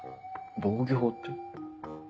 防御法って。